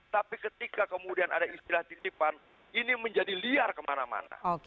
tapi ketika kemudian ada istilah titipan ini menjadi liar kemana mana